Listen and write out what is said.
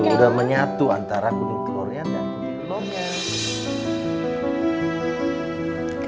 udah menyatu antara kuning telurnya dan kuning telurnya